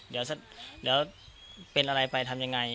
เดี๋ยวเป็นอะไรไปทำยังไง